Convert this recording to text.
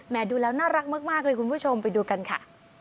ดูแล้วน่ารักมากเลยคุณผู้ชมไปดูกันค่ะ